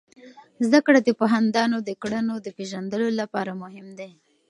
زده کړه د پوهاندانو د کړنو د پیژندلو لپاره مهم دی.